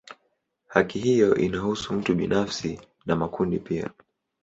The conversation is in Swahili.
Haki hiyo inahusu mtu binafsi na makundi pia.